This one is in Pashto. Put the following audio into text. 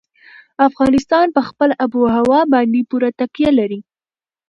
افغانستان په خپله آب وهوا باندې پوره تکیه لري.